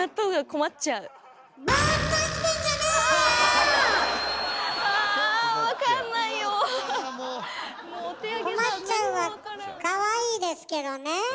「困っちゃう」はかわいいですけどね。